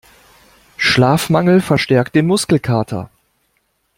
Schlafmangel verstärkt den Muskelkater.